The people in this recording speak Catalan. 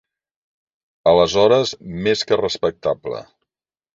Aleshores, més que respectable.